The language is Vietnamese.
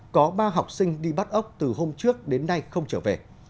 có ba học sinh đi bắt ốc từ hôm trước đến nay không trở về